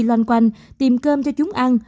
loanh quanh tìm cơm cho chúng ăn